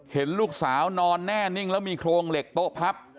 เห็นลูกสาวนอนแน่นิ่งแล้วมีโครงเหล็กโต๊ะพับ